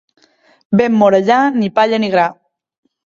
Vent morellà, ni palla ni gra.